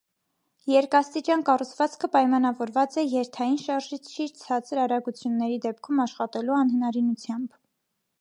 Երկաստիճան կառուցվածքը պայմանավորված է երթային շարժիչի ցածր արագությունների դեպքում աշխատելու անհնարինությամբ։